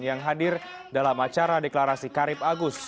yang hadir dalam acara deklarasi karip agus